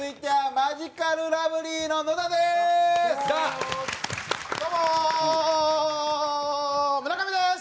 マヂカルラブリーです。